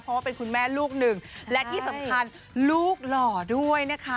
เพราะว่าเป็นคุณแม่ลูกหนึ่งและที่สำคัญลูกหล่อด้วยนะคะ